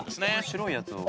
白いやつを。